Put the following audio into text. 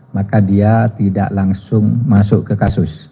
maka dia tidak langsung masuk ke kasus